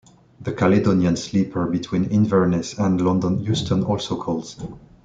The Caledonian Sleeper between Inverness and London Euston also calls.